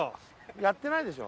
やってないでしょ？